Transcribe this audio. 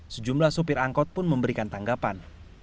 sejumlah supir angkut pun memberikan tanggapan